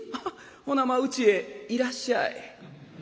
ほなまあうちへいらっしゃい」。